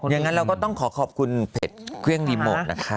อย่างนั้นเราก็ต้องขอขอบคุณเพจเครื่องรีโมทนะคะ